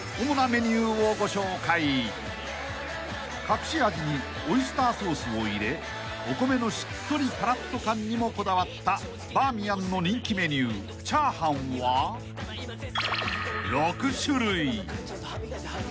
［隠し味にオイスターソースを入れお米のしっとりパラッと感にもこだわったバーミヤンの人気メニューチャーハンは６種類］